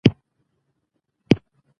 پښتانه په میړانه جنګېدل.